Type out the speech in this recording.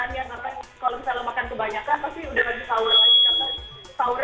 karena kalau misalnya makan kebanyakan pasti udah lagi sahur lagi